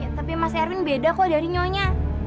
tapi mas erwin beda kok dari nyonya